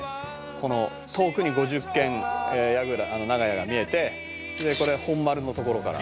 「この遠くに五十間長屋が見えてこれは本丸の所から」